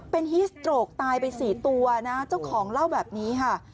เป็นฮีสโตรกตายไป๔ตัวนะเจ้าของเล่าแบบนี้ค่ะ